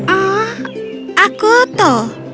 ah aku toh